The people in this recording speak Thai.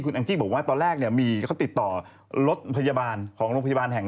แองจี้บอกว่าตอนแรกเนี่ยมีเขาติดต่อรถพยาบาลของโรงพยาบาลแห่ง๑